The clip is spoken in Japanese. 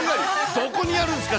どこにあるんすか？